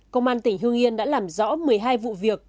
công an tỉnh hương yên đã làm rõ một mươi hai vụ việc